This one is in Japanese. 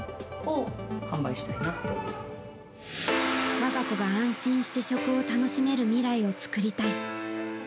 我が子が安心して食を楽しめる未来を作りたい。